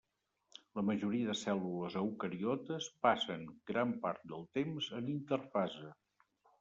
La majoria de cèl·lules eucariotes passen gran part del temps en interfase.